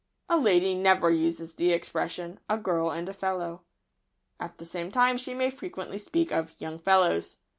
A lady never uses the expression "A girl and a fellow." At the same time she may frequently speak of "young fellows."